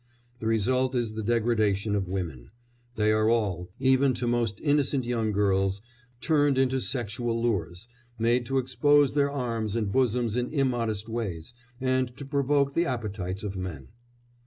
The result is the degradation of women; they are all, even to most innocent young girls, turned into sexual lures, made to expose their arms and bosoms in immodest ways, and to provoke the appetites of men.